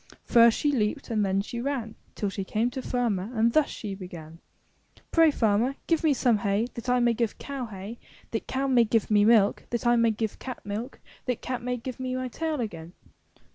First she leaped and then she ran ^5^(^ Till she came to the farmer and thus she began: "Pray, Farmer, give me some hay that I may give cow hay, that cow may give me milk, that I may give cat milk, that cat may give me my tail again."